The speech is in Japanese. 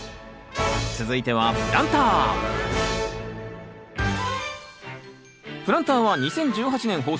続いてはプランター「プランター」は２０１８年放送。